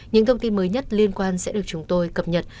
những thông tin mới nhất liên quan sẽ được chúng tôi cập nhật